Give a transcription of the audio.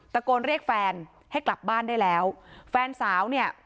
ตะโกนเรียกแฟนให้กลับบ้านได้แล้วแฟนสาวเนี่ย